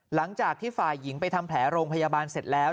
หลังจากที่ฝ่ายหญิงไปทำแผลโรงพยาบาลเสร็จแล้ว